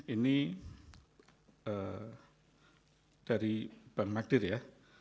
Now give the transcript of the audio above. ini dari bank magdir ya